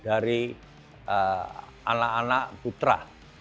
untuk anak anak putra